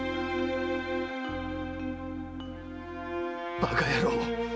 バカ野郎！